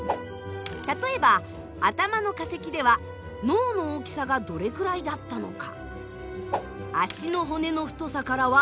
例えば頭の化石では脳の大きさがどれくらいだったのか。